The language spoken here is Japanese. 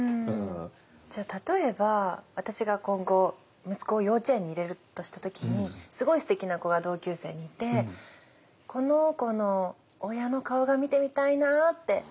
じゃあ例えば私が今後息子を幼稚園に入れるとした時にすごいすてきな子が同級生にいて「この子の親の顔が見てみたいな」って「すてきだな」って言っても。